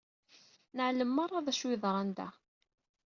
Neɛlem merra d acu yeḍran da.